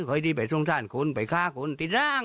เคยไปสงสารคนไปฆ่าคนติดต่าง